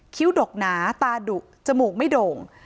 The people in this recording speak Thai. ดกหนาตาดุจมูกไม่โด่ง